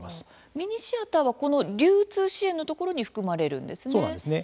ミニシアターはこの流通支援のところにそうなんですね。